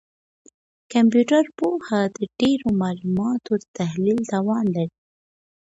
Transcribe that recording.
کمپيوټر پوهنه د ډېرو معلوماتو د تحلیل توان لري.